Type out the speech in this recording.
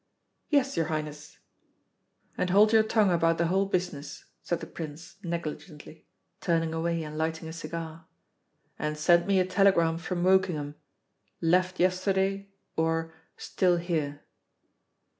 "Yes, your Highness." "And hold your tongue about the whole business," said the Prince negligently, turning away and lighting a cigar. "And send me a telegram from Wokingham: 'Left yesterday,' or 'Still here.'"